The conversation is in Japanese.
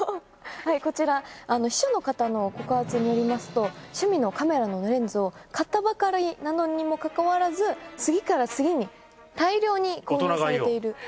こちら秘書の方の告発によりますと趣味のカメラのレンズを買ったばかりなのにもかかわらず次から次に大量に購入されている。